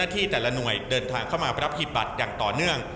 ที่แต่ละหน่วยเดินทางเข้ามารับหีบบัตรอย่างต่อเนื่อง